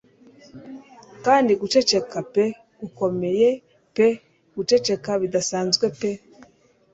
Kandi guceceka pe gukomeye pe guceceka bidasanzwe pe